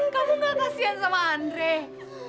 kamu gak kasian sama andre